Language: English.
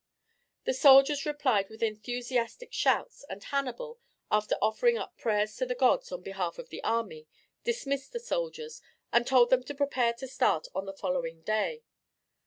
The soldiers replied with enthusiastic shouts, and Hannibal, after offering up prayers to the gods on behalf of the army, dismissed the soldiers, and told them to prepare to start on the following day.